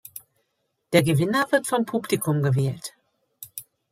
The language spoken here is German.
Der Gewinner wird vom Publikum gewählt.